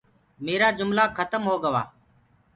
ميرآ جُملآ کتم هو گوآ۔